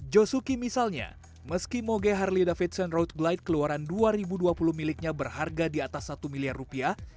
josuki misalnya meski moge harley davidson road glight keluaran dua ribu dua puluh miliknya berharga di atas satu miliar rupiah